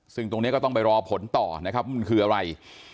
ซึ่งตรงนี้ก็ต้องไปรอผลต่อนะครับมันคืออะไร